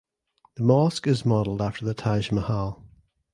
The mosque is modelled after the Taj Mahal.